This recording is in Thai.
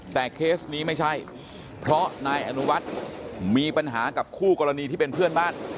แต่เคสนี้ไม่ใช่เพราะนายอนุวัฒน์มีปัญหากับคู่กรณีที่เป็นเพื่อนบ้าน